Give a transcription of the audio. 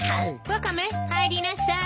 ワカメ入りなさい。